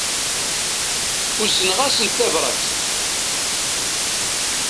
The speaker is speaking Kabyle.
Uzneɣ-asen tabrat.